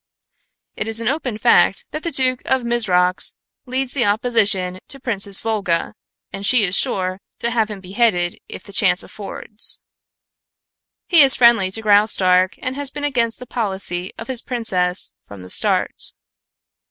It is an open fact that the Duke of Mizrox leads the opposition to Princess Volga, and she is sure to have him beheaded if the chance affords. He is friendly to Graustark and has been against the policy of his princess from the start."